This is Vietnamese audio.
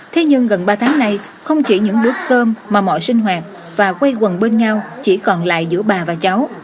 thế nhưng gần ba tháng nay không chỉ những bút cơm mà mọi sinh hoạt và quay quần bên nhau chỉ còn lại giữa bà và cháu